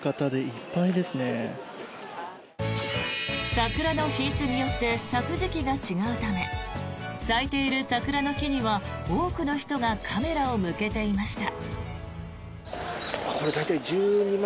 桜の品種によって咲く時期が違うため咲いている桜の木には多くの人がカメラを向けていました。